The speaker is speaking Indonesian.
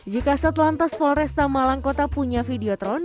jika satulan tas polresta malang kota punya videotron